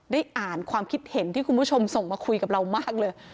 ได้อ่านความคิดเห็นที่คุณผู้ชมส่งมาคุยกับเรามากเลย